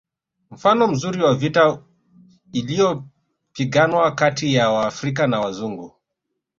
Mfano mzuri wa vita iliyopiganwa kati ya Waafrika na Wazungu